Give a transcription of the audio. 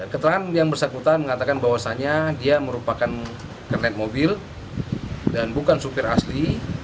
keterangan yang bersangkutan mengatakan bahwasannya dia merupakan kernet mobil dan bukan supir asli